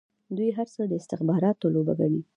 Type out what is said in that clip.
دوی هر څه د استخباراتو لوبه ګڼي.